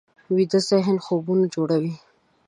ویده ذهن خوبونه جوړوي